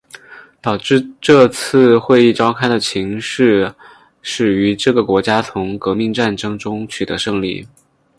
导致这次会议召开的情势始于这个国家从革命战争中取得胜利。